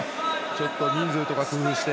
ちょっと人数とか工夫して。